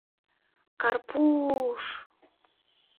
— Кар-пу-у-уш!..